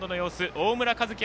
大村和輝